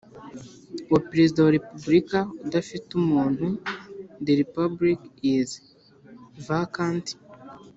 wa Perezida wa Repubulika udafite umuntu the Republic is vacant